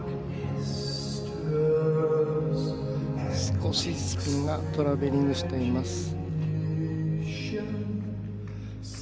少しスピンがトラベリングしています。